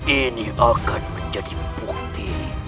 ini akan menjadi bukti